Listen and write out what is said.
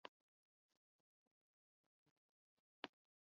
ان کا کام حکومت نہیں، بلکہ حکمرانوں کی اصلاح کی کوشش ہے